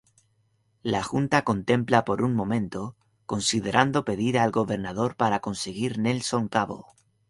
La junta contempla por un momento, considerando pedir al gobernador para conseguir Nelson cabo.